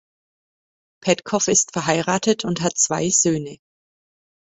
Petkow ist verheiratet und hat zwei Söhne.